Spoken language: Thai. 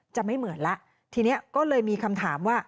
จะไม่เหมือนแล้วทีนี้ก็เลยมีคำถามว่า